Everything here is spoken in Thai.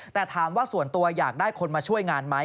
แต่ถามว่าส่วนตัวอยากได้คนมาช่วยงานไหม